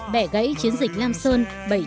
bẻ gãy chiến dịch lam sơn bảy trăm một mươi chín